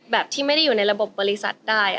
ที่ไม่ได้อยู่ในระบบบริษัทได้